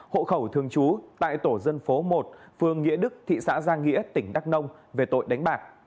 hộ khẩu thường trú tại tổ dân phố một phương nghĩa đức thị xã giang nghĩa tỉnh đắk nông về tội đánh bạc